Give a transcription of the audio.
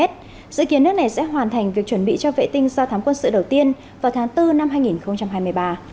dự kiến nước này sẽ hoàn thành việc chuẩn bị cho vệ tinh do thám quân sự đầu tiên vào tháng bốn năm hai nghìn hai mươi ba